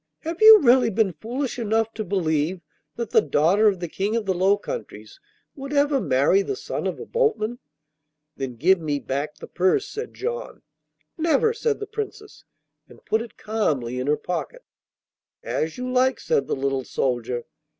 Have you really been foolish enough to believe that the daughter of the King of the Low Countries would ever marry the son of a boatman?' 'Then give me back the purse,' said John. 'Never,' said the Princess, and put it calmly in her pocket. 'As you like,' said the little soldier.